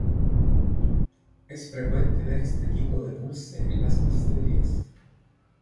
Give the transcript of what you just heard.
Es frecuente ver este tipo de dulce en las pastelerías.